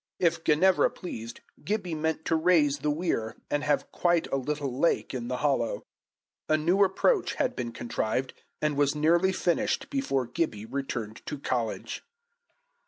If Ginevra pleased, Gibbie meant to raise the weir, and have quite a little lake in the hollow. A new approach had been contrived, and was nearly finished before Gibbie returned to college.